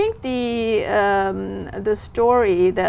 cô có thấy